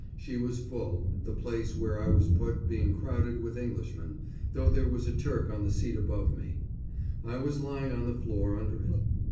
She was full, the place where I was put being crowded with Englishmen, though there was a Turk on a seat above me. I was lying on the floor under it.